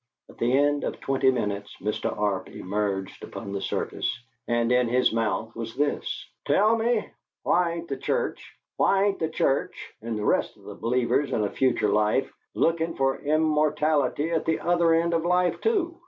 At the end of twenty minutes Mr. Arp emerged upon the surface, and in his mouth was this: "Tell me, why ain't the Church why ain't the Church and the rest of the believers in a future life lookin' for immortality at the other end of life, too?